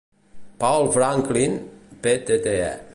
Paul Franklin, Ptte.